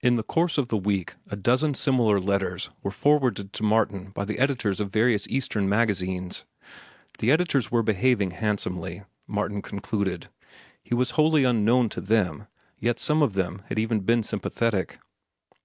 In the course of the week a dozen similar letters were forwarded to Martin by the editors of various Eastern magazines. The editors were behaving handsomely, Martin concluded. He was wholly unknown to them, yet some of them had even been sympathetic.